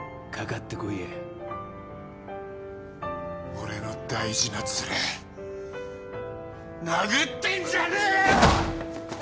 俺の大事なツレ殴ってんじゃねえよ！